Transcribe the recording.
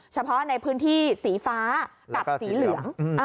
เฉพาะในพื้นที่สีฟ้ากับสีเหลือง